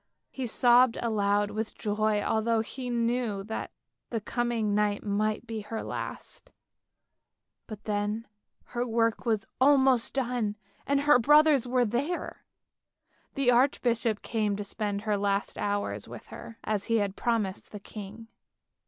He sobbed aloud with joy although he knew that the coming night might be her last, but then her work was almost done and her brothers were there. The archbishop came to spend her last hours with her as he had promised the king.